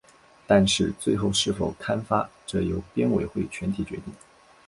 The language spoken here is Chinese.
但是最后是否刊发则由编委会全体决定。